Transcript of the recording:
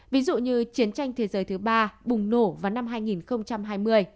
ví dụ như chiến tranh thế giới thứ ba bùng nổ vào năm hai nghìn hai mươi